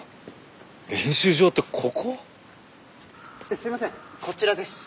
すいませんこちらです。